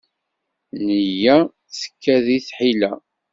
Nneyya tekka di tḥila.